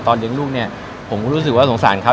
เลี้ยงลูกเนี่ยผมก็รู้สึกว่าสงสารเขา